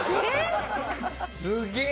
すげえ！